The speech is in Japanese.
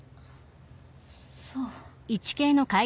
そう。